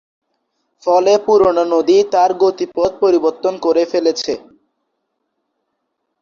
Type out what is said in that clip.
ফলে পুরোনো নদী তার গতি পথ পরিবর্তন করে ফেলেছে।